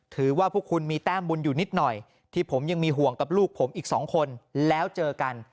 ถือว่าพวกคุณมีแต้มบุญอยู่นิดหน่อยที่ผมยังมีห่วงกับลูกผมอีกสองคนแล้วเจอกัน